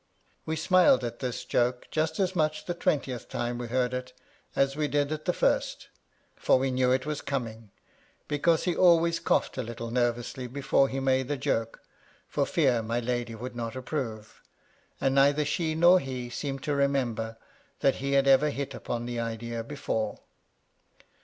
We smiled at this joke just as much the twentieth time we heard it as we did at the first ; for we knew it was coming, because he always 38 MY LADY LUDLOW. coughed a little nervously before he made a joke, for fear my lady should not approve : and neither she nor he seemed to remember that he had ever hit upon the idea before.